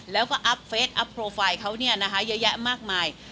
แล้วก็อัพเฟสอัพโปรไฟล์เขาเยอะแยะมากมาย